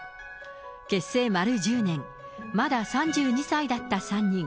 結成丸１０年、まだ３２歳だった３人。